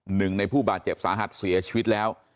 หนึ่งในผู้บาดเจ็บสาหัสเสียชีวิตแล้ว